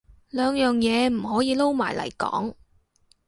兩樣嘢唔可以撈埋嚟講